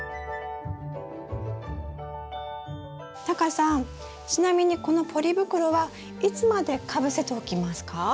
タカさんちなみにこのポリ袋はいつまでかぶせておきますか？